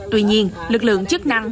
tuy nhiên lực lượng chức năng